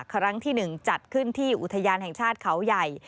ครั้งที่๑จัดขึ้นที่อุทยานแห่งชาติเขาใหญ่